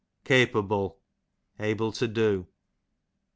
Capable, able to do.